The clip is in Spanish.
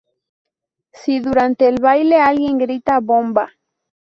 Si durante el baile alguien grita "¡Bomba!